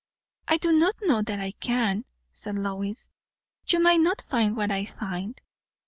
"I do not know that I can," said Lois. "You might not find what I find."